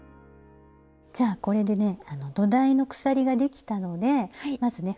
じゃあこれでね土台の鎖ができたのでまずね